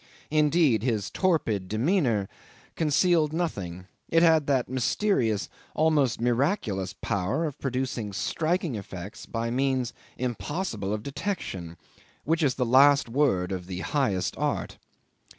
Indeed his torpid demeanour concealed nothing: it had that mysterious, almost miraculous, power of producing striking effects by means impossible of detection which is the last word of the highest art.